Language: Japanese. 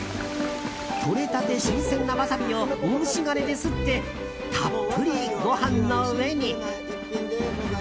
とれたて新鮮なワサビをおろし金ですってたっぷりご飯の上に！